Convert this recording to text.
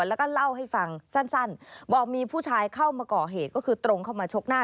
แล้วก็เล่าให้ฟังสั้นบอกมีผู้ชายเข้ามาก่อเหตุก็คือตรงเข้ามาชกหน้า